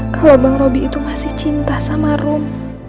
kalo bang robi itu masih cinta sama rom